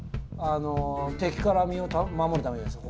敵から身を守るためじゃないですか。